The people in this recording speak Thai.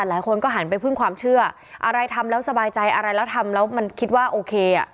หลายคนก็หันไปพึ่งความเชื่ออะไรทำแล้วสบายใจอะไรแล้วทำแล้วมันคิดว่าโอเคอ่ะ